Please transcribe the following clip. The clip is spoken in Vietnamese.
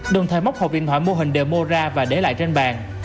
đồng thời móc hộp điện thoại mô hình demo ra và để lại trên bàn